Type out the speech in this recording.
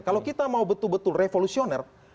kalau kita mau betul betul revolusioner